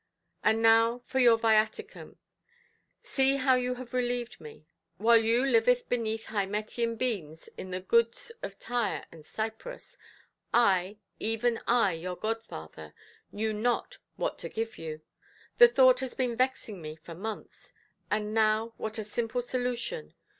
And now for your viaticum; see how you have relieved me. While you lived beneath Hymettian beams in the goods of Tyre and Cyprus, I, even I your godfather, knew not what to give you. The thought has been vexing me for months, and now what a simple solution!